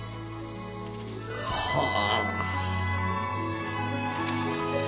はあ。